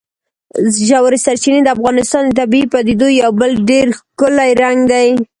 ژورې سرچینې د افغانستان د طبیعي پدیدو یو بل ډېر ښکلی رنګ دی.